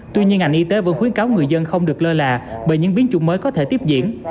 tuy nhiên ngành y tế vẫn khuyến cáo người dân không được lơ là bởi những biến chủng mới có thể tiếp diễn